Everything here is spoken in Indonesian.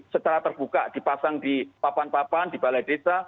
secara terbuka dipasang di papan papan di balai desa